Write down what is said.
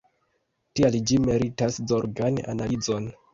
Tial ĝi meritas zorgan analizon.